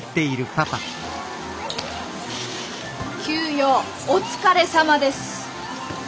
急用お疲れさまです。